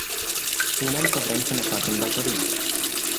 Spunem că vrem să ne facem datoria.